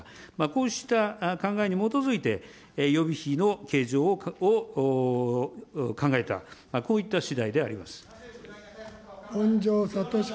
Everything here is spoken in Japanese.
こうした考えに基づいて、予備費の計上を考えた、こういったしだいであります。